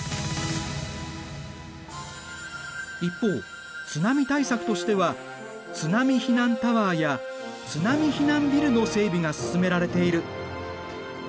一方津波対策としては津波避難タワーや津波避難ビルの整備が進められている。